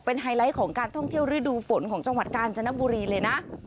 เป็นไฮไลท์ของการท่องเที่ยวฤดูฝนของจังหวัดกาญจนบุรีเลยนะ